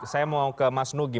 saya mau ke mas nugi